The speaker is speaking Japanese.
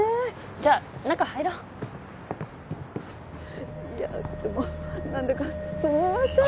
じゃあ中入ろういやでも何だかすみません